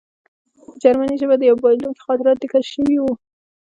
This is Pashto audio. په جرمني ژبه د یوه بایلونکي خاطرات لیکل شوي وو